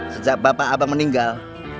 sejak bapak abang meninggal